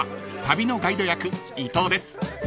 旅のガイド役伊藤です］